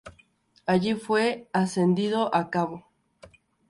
Allí fue ascendido a cabo.